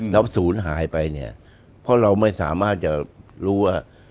แล้วศูนย์หายไปเนี่ยเพราะเราไม่สามารถจะรู้ว่า